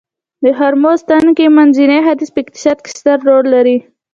د هرمرز تنګی منځني ختیځ په اقتصاد کې ستر رول لري